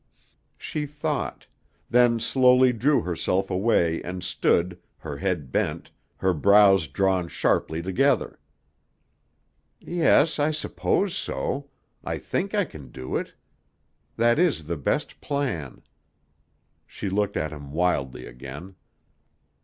She thought! then slowly drew herself away and stood, her head bent, her brows drawn sharply together. "Yes. I suppose so. I think I can do it. That is the best plan." She looked at him wildly again.